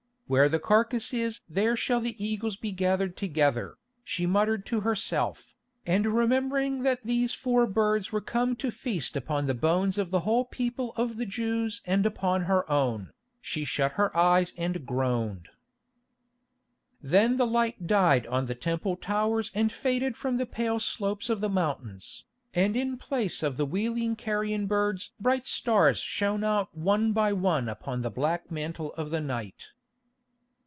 "Where the carcase is there shall the eagles be gathered together," she muttered to herself, and remembering that these foul birds were come to feast upon the bones of the whole people of the Jews and upon her own, she shut her eyes and groaned. Then the light died on the Temple towers and faded from the pale slopes of the mountains, and in place of the wheeling carrion birds bright stars shone out one by one upon the black mantle of the night.